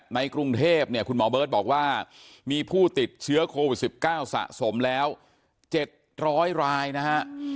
ในกรุงเทพเนี่ยคุณหมอเบิร์ดบอกว่ามีผู้ติดเชื้อโควิดสิบเก้าสะสมแล้วเจ็ดร้อยรายนะฮะ